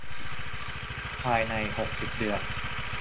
ภายใน หกสิบ เดือน